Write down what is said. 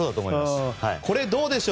これ、どうでしょう。